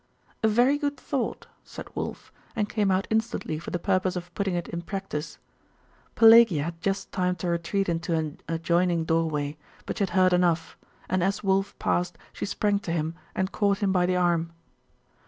'A very good thought!' said Wulf, and came out instantly for the purpose of putting it in practice. Pelagia had just time to retreat into an adjoining doorway: but she had heard enough; and as Wulf passed, she sprang to him and caught him by the arm.